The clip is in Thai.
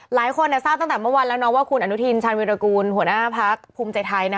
หลายคนทราบตั้งแต่เมื่อวานแล้วนะว่าคุณอนุทินชาญวิรากูลหัวหน้าพักภูมิใจไทย